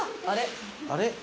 あれ？